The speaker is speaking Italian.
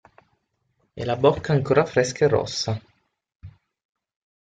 E la bocca ancora fresca e rossa.